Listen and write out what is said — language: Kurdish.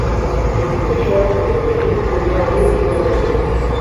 lê firoşer ewlehî pê neanî û jê re got